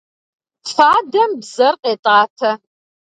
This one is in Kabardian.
Фадэм бзэр къетӏатэ.